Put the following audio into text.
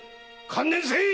観念せい！